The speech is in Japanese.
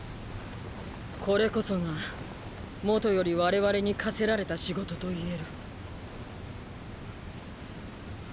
これこそが元より我々に課せられた仕事と言える。